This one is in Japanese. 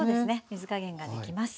水加減ができます。